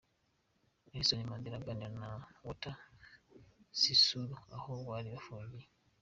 Nelson Mandela aganira na Walter Sisulu aho bari bafungiye.